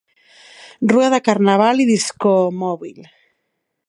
Rua de carnaval i discomòbil.